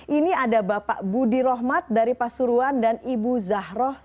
ini ada bapak budi rohmat dari pasuruan dan ibu zahroh